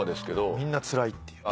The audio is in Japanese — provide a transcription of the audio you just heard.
みんなつらいっていう。